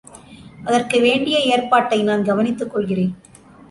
அதற்கு வேண்டிய ஏற்பாட்டை நான் கவனித்துக் கொள்கிறேன்.